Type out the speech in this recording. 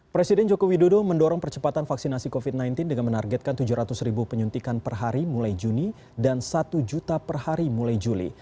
presiden joko widodo mendorong percepatan vaksinasi covid sembilan belas dengan menargetkan tujuh ratus ribu penyuntikan per hari mulai juni dan satu juta per hari mulai juli